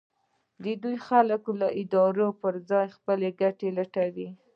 دوی د خلکو د ارادې پر ځای خپلې ګټې لټوي.